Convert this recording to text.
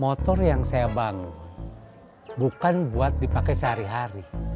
motor yang saya bangun bukan buat dipakai sehari hari